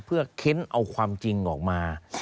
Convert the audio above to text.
เพื่อเค้นเอาความจริงออกมา